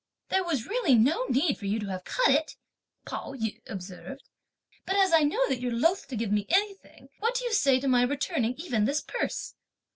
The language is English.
"There was really no need for you to have cut it," Pao yü observed; "but as I know that you're loth to give me anything, what do you say to my returning even this purse?"